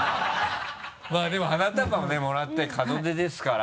まぁでも花束もねもらって門出ですから。